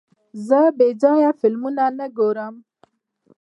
زه بېځایه فلمونه نه ګورم.